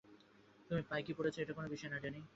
তুমি পায়ে কি পড়েছো এটা কোন বিষয় না, ড্যানি।